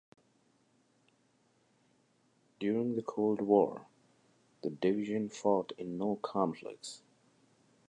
During the Cold War the division fought in no conflicts.